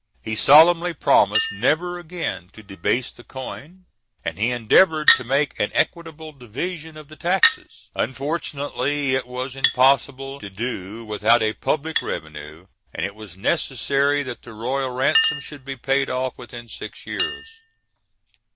He solemnly promised never again to debase the coin, and he endeavoured to make an equitable division of the taxes. Unfortunately it was impossible to do without a public revenue, and it was necessary that the royal ransom should be paid off within six years.